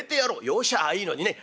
よしゃあいいのにね。